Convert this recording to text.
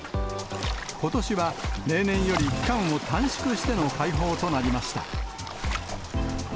ことしは例年より期間を短縮しての開放となりました。